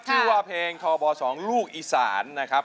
ชื่อว่าเพลงทบ๒ลูกอีสานนะครับ